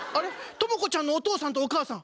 トモコちゃんのお父さんとお母さん。